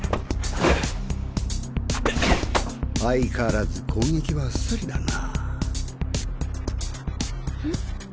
相変わらず攻撃はアッサリだな。